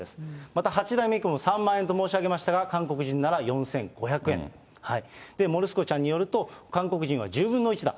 また８代目以降も３万円と申し上げましたが、韓国人なら４５００円。もるすこちゃんによると、韓国人は１０分の１だ。